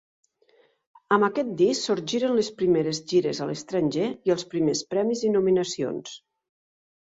Amb aquest disc sorgiren les primeres gires a l'estranger i els primers premis i nominacions.